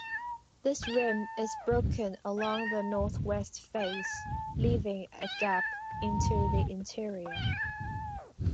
This rim is broken along the northwest face, leaving a gap into the interior.